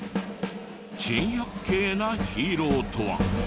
珍百景なヒーローとは？